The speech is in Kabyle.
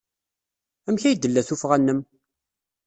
Amek ay d-tella tuffɣa-nnem?